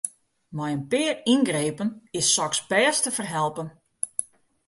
Mei in pear yngrepen is soks bêst te ferhelpen.